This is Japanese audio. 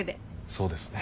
そうですね